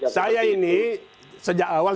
saya ini sejak awal